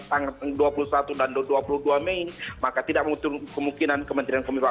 pada saat pengumuman putusan mk yang dua puluh satu dan dua puluh dua mei maka tidak ada kemungkinan kementerian kementerian pemerintah